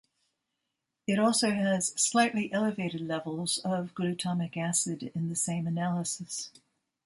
It also has slightly elevated levels of glutamic acid in the same analysis.